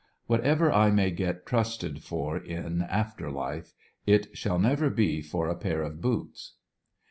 What ever I may get trusted for in after life, it shall never be for a pair of boots.